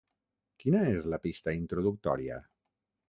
Quina és la pista introductòria?